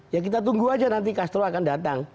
ya kita tunggu aja nanti castro akan datang